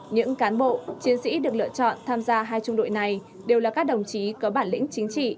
những cán bộ chiến sĩ được lựa chọn tham gia hai trung đội này đều là các đồng chí có bản lĩnh chính trị